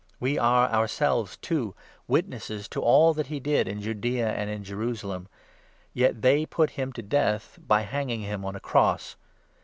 We are ourselves, too, 39 witnesses to all that he did in Judaea and in Jerusalem ; yet they put him to death by hanging him on a cross